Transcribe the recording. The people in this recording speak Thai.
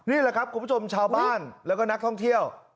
นี่แหละครับคุณผู้ชมชาวบ้านแล้วก็นักท่องเที่ยว